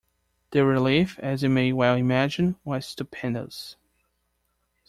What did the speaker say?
The relief, as you may well imagine, was stupendous.